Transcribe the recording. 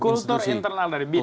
kulturnya internal dari bin